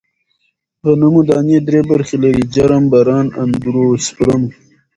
غنمو دانې درې برخې لري: جرم، بران، اندوسپرم.